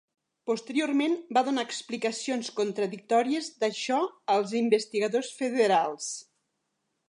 Posteriorment, va donar explicacions contradictòries d'això als investigadors federals.